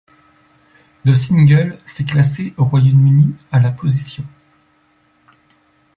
Le single s'est classé au Royaume-Uni à la position.